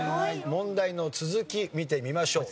問題の続き見てみましょう。